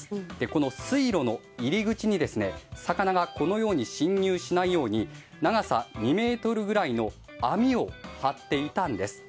この水路の入り口に魚が侵入しないように長さ２ｍぐらいの網を張っていたんです。